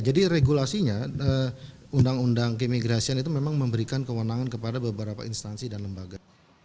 regulasinya undang undang keimigrasian itu memang memberikan kewenangan kepada beberapa instansi dan lembaga